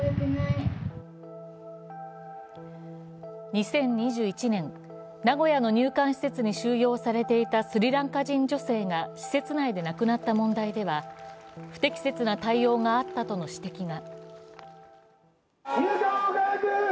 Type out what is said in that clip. ２０２１年、名古屋の入管施設に収容されていた、スリランカ人女性が施設内で亡くなった問題では不適切な対応があったとの指摘が。